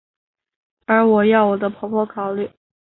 而要我的婆婆考虑！